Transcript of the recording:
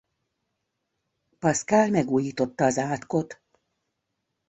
Paszkál megújította az átkot.